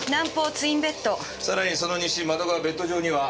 さらにその西窓側ベッド上には。